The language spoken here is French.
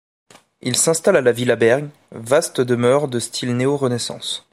Ils s'installent à la villa Berg, vaste demeure de style néo-Renaissance.